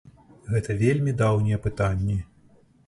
Гэта вельмі даўнія пытанні.